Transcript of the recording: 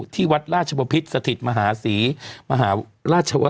ที่วัดราชบพิษสถิตมหาศรีมหาราชวั